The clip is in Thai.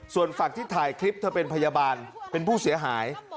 ส่วนฝั่งที่ถ่ายคลิปเธอเป็นพยาบาลเป็นผู้เสียหาย